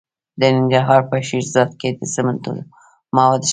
د ننګرهار په شیرزاد کې د سمنټو مواد شته.